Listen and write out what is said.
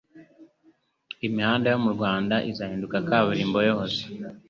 Imihanda yo mu Rwanda izahinduka kaburimbo yose